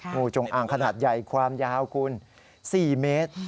งูจงอ่างขนาดใหญ่ความยาวคุณ๔เมตร